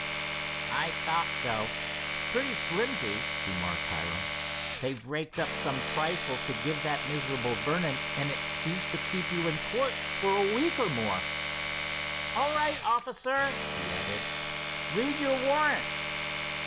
"I thought so. Pretty flimsy," remarked Hiram. "They've raked up some trifle to give that miserable Vernon an excuse to keep you in court for a week or more. All right officer," he added, "read your warrant."